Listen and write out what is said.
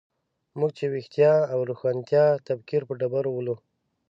موږ چې ویښتیا او روښانتیا د تکفیر په ډبرو ولو.